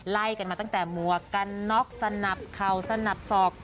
ไล่กันมาตั้งแต่หมวกกันน็อกสนับเข่าสนับสอก